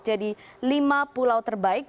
jadi lima pulau terbaik